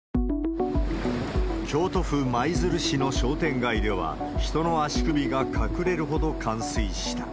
京都府舞鶴市の商店街では、人の足首が隠れるほど冠水した。